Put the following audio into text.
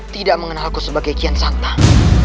tidak mengenalku sebagai kian santang